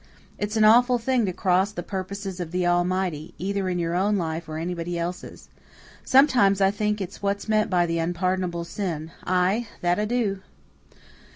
It's an awful thing to cross the purposes of the Almighty, either in your own life or anybody else's. Sometimes I think it's what's meant by the unpardonable sin ay, that I do!"